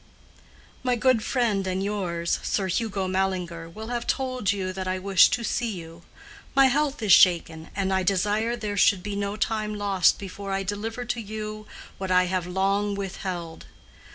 My good friend and yours, Sir Hugo Mallinger, will have told you that I wish to see you. My health is shaken, and I desire there should be no time lost before I deliver to you what I have long withheld.